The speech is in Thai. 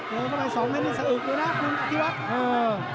เดี๋ยวเข้าไปสองแม่นดูสะอึกดูนะคุณพระธิวัตริย์